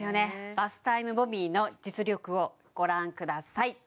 バスタイムボミーの実力をご覧ください